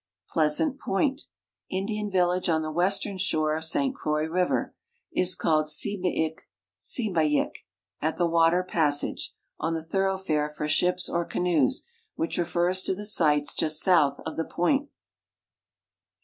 Pleasant point, Indian village on the western shore of 8t Croi.v river, is called .^iba ik, Sib.lyik: "at the water passage, on the thoroughfare for ships or canoes," which refers to the sites just south of the " point."